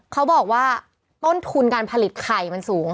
เขาบอกว่าต้นทุนการผลิตไข่มันสูง